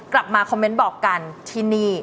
กลับมาคอมเมนต์บอกกันที่นี่